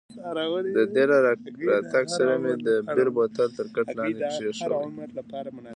د دې له راتګ سره مې د بیر بوتل تر کټ لاندې کښېښود.